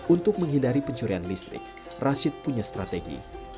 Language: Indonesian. untuk menghindari pencurian listrik rashid punya strategi